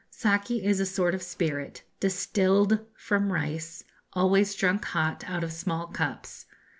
Saki is a sort of spirit, distilled from rice, always drunk hot, out of small cups.